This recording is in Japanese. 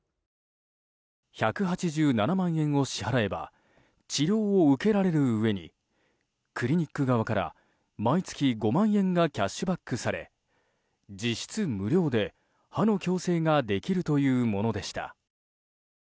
１８７万円を支払えば治療を受けられるうえにクリニック側から毎月５万円がキャッシュバックされ実質無料で歯の矯正ができるというものでした。